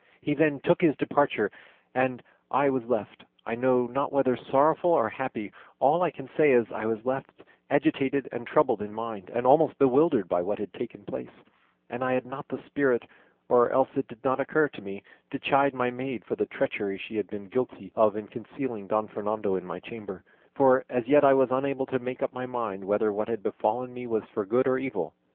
He then took his departure and I was left, I know not whether sorrowful or happy; all I can say is, I was left agitated and troubled in mind and almost bewildered by what had taken place, and I had not the spirit, or else it did not occur to me, to chide my maid for the treachery she had been guilty of in concealing Don Fernando in my chamber; for as yet I was unable to make up my mind whether what had befallen me was for good or evil.